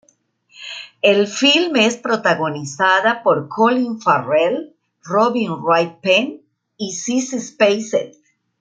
El filme es protagonizada por Colin Farrell, Robin Wright Penn y Sissy Spacek.